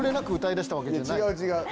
違う違う。